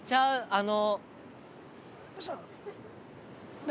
あの。